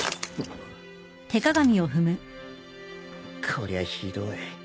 こりゃひどい。